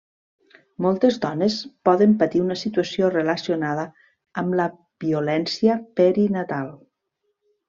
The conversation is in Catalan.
Moltes dones poden patir una situació relacionada amb la violència perinatal.